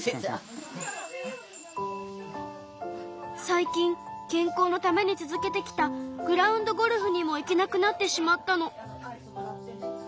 最近健康のために続けてきたグラウンドゴルフにも行けなくなってしまったの。